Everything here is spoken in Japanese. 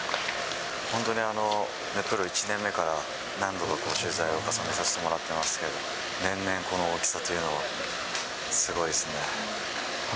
本当にプロ１年目から、何度か取材を重ねさせてもらってますけど、年々この大きさというのは、すごいですね。